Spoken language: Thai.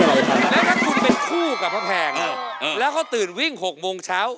แล้วถ้าคุณเป็นคู่กับพระแพงแล้วเขาตื่นวิ่ง๖โมงเช้า